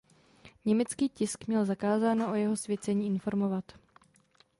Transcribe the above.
Německý tisk měl zakázáno o jeho svěcení informovat.